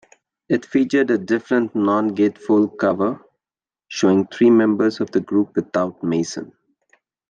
It featured a different non-gatefold cover showing three members of the group without Mason.